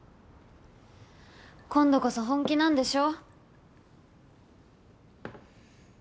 今度こそ本気なんでしょ？